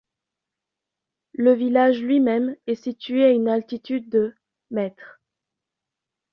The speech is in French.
Le village lui-même est situé à une altitude de mètres.